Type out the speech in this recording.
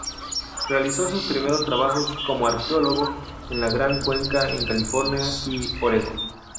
Realizó sus primeros trabajos como arqueólogo en la Gran Cuenca, en California y Oregon.